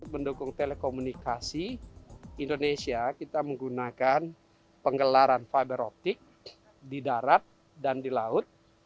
mendukung telekomunikasi indonesia kita menggunakan penggelaran fiberoptik di darat dan di laut